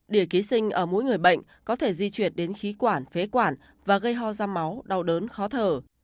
để ký sinh ở mỗi người bệnh có thể di chuyển đến khí quản phế quản và gây ho ra máu đau đớn khó thở